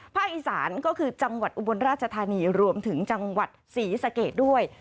อีสานก็คือจังหวัดอุบลราชธานีรวมถึงจังหวัดศรีสะเกดด้วย